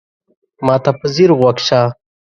ما ته په ځیر غوږ شه !